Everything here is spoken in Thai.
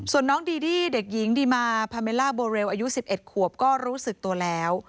ส่วนน้องดีดี้เด็กหญิงดีมาพาเมล่าโบเรลอายุ๑๑ขวบก็รู้สึกตัวแล้ว